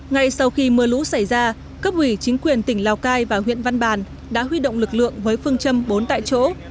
ngay sau khi mưa lũ xảy ra cấp ủy chính quyền tỉnh lào cai và huyện văn bàn đã huy động lực lượng với phương châm bốn tại chỗ